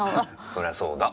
そりゃそうだ。